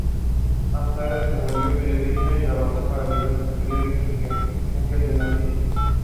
John starts to reveal disturbing behavior along with David.